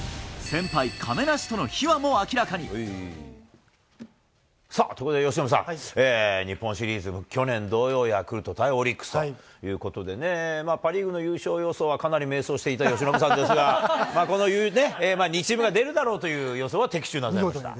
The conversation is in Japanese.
さらに、先輩、さあ、ところで由伸さん、日本シリーズ、去年同様、ヤクルト対オリックスということでね、パ・リーグの優勝予想はかなり迷走していた由伸さんですが、この２チームが出るだろうという予想は的中なさいました。